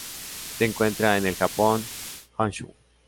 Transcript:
Se encuentra en el Japón: Honshu.